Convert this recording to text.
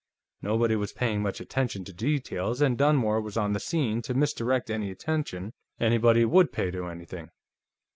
Nobody was paying much attention to details, and Dunmore was on the scene to misdirect any attention anybody would pay to anything.